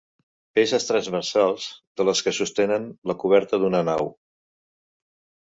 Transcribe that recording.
Peces transversals de les que sostenen la coberta d'una nau.